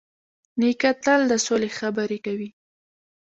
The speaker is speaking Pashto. نیکه تل د سولې خبرې کوي.